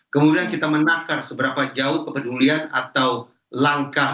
kemudian kita menakar seberapa jauh kepedulian atau langkah